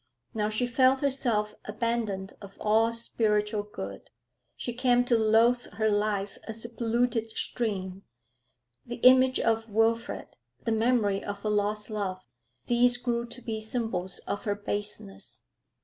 Now she felt herself abandoned of all spiritual good. She came to loathe her life as a polluted stream. The image of Wilfrid, the memory of her lost love, these grew to be symbols of her baseness.